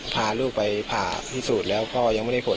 พาลูกไปผ่าพิสูจน์แล้วก็ยังไม่ได้ผล